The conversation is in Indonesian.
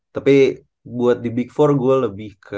tapi buat di big empat gue lebih ke